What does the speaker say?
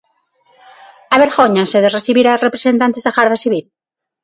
¿Avergóñanse de recibir a representantes da Garda Civil?